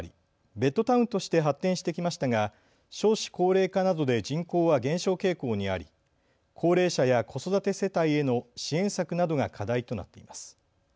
ベッドタウンとして発展してきましたが少子高齢化などで人口は減少傾向にあり高齢者や子育て世帯への支援策などが課題となっています。